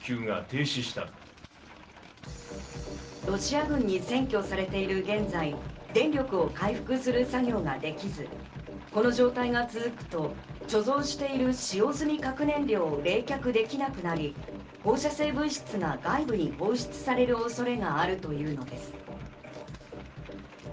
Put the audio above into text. ロシア軍に占拠されている現在、電力を回復する作業ができず、この状態が続くと、貯蔵している使用済み核燃料を冷却できなくなり、放射性物質が外部に放出される恐れがあるというのです。